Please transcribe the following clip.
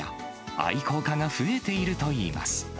愛好家が増えているといいます。